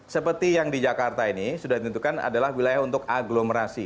seperti yang di jakarta ini sudah ditentukan adalah wilayah untuk aglomerasi